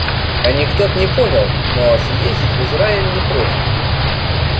Анекдот не понял, но съездить в Израиль не против